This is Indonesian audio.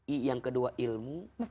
i yang kedua ilmu